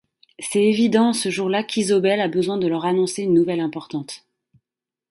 C'est évidemment ce jour-là qu'Isobel a besoin de leur annoncer une importante nouvelle.